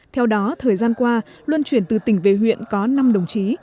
theo đó thời gian qua luân chuyển từ tỉnh về huyện có năm đồng chí